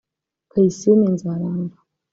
Kayisime Nzaramba